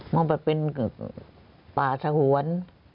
มองไปเป็นป่าสหวน